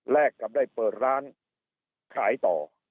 กับได้เปิดร้านขายต่อ